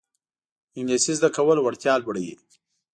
انګلیسي زده کول وړتیا لوړوي